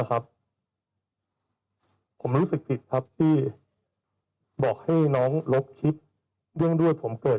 ผมรู้สึกผิดครับที่บอกให้น้องลบคิดเรื่องด้วยผมเกิด